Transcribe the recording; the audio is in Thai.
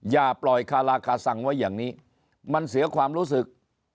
อย่าปล่อยคาราคาซังไว้อย่างนี้มันเสียความรู้สึก